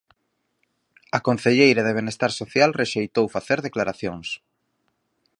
A concelleira de Benestar social rexeitou facer declaracións.